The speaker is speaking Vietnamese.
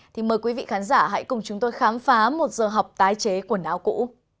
thì mời quý vị khán giả hãy cùng chúng tôi khám phá một giờ học tái chế quần áo cũ